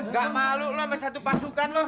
gak malu lo sama satu pasukan lo